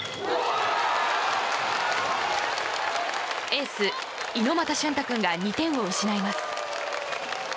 エース猪俣駿太君が２点を失います。